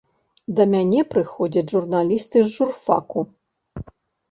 Да мяне прыходзяць журналісты з журфаку.